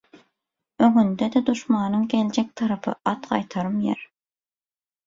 Öňüňde-de duşmanyň geljek tarapy – at gaýtarym ýer.